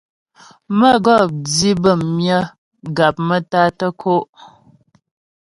Mə́gɔp di bəm myə gap maə́tá tə́ kǒ'.